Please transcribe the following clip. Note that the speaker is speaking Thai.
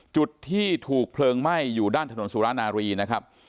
จุดที่ถูกเพลิงไหม้อยู่ด้านถนนสุรานารีนะครับ